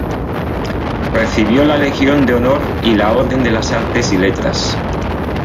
Recibió la Legión de Honor y la Orden de las Artes y Letras.